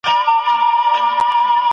خو پوهيدل غواړي.